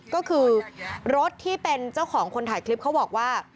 ก็คือรถที่เป็นเจ้าของคนถ่ายคลิปเขาบอกว่า